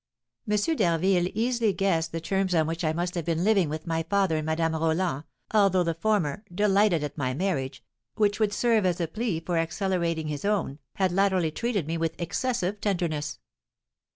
M. d'Harville easily guessed the terms on which I must have been living with my father and Madame Roland, although the former, delighted at my marriage, which would serve as a plea for accelerating his own, had latterly treated me with excessive tenderness.